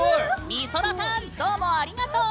みそらさんどうもありがとう！